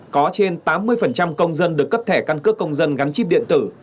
có trên tám mươi công dân được cấp thẻ căn cước công dân gắn chip điện tử